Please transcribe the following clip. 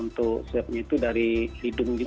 untuk swab nya itu dari hidung juga